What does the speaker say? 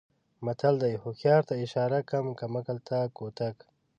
متل دی: هوښیار ته اشاره کم عقل ته کوتک.